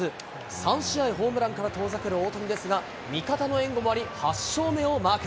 ３試合ホームランから遠ざかる大谷ですが、味方の援護もあり、８勝目をマーク。